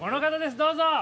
どうぞ！